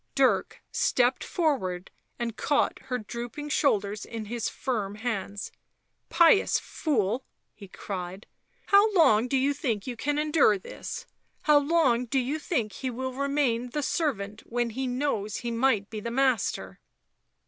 Dirk stepped forward and caught her drooping shoulders in his firm hands. " Pious fool !" he cried. " How long do you think you can endure this? how long do you think he will remain the servant w T hen he knows he might be the master